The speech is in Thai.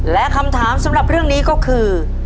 และคำถามสำหรับเรื่องนี้ก็คือ